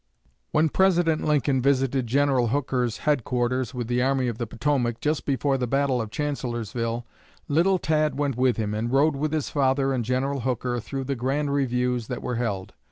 When President Lincoln visited General Hooker's headquarters with the Army of the Potomac, just before the battle of Chancellorsville, little Tad went with him, and rode with his father and General Hooker through the grand reviews that were held.